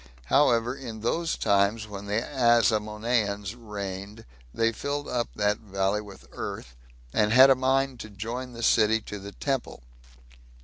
However, in those times when the Asamoneans reigned, they filled up that valley with earth, and had a mind to join the city to the temple.